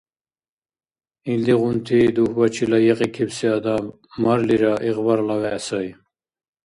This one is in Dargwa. Илдигъунти дугьбачи лайикьикибси адам, марлира, игъбарла вегӀ сай.